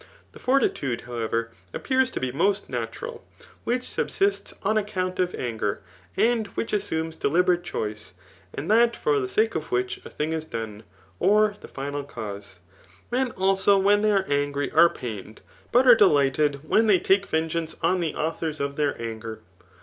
The fortitude, however, appears to be most natural, which subasts on^ account of anger, and which assumes deliberate choice, and that for the sake of which, a diing b done^ [or the final cause3. Men, also, when they are angry, are pained, but are delighted when they take vengeance on the authors of their anger.